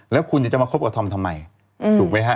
แล้วคุณจะมาคบกับธอมทำไมถูกไหมฮะ